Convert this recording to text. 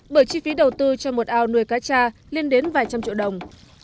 bởi chi phí đầu tư cho một ao nuôi cá cha lên đến vài trăm triệu đồng